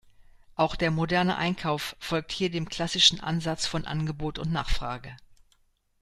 Auch der moderne Einkauf folgt hier dem klassischen Ansatz von Angebot und Nachfrage.